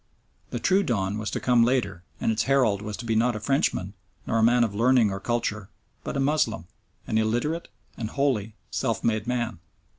The true dawn was to come later, and its herald was to be not a Frenchman, nor a man of learning or culture, but a Moslem, an illiterate and wholly self made man.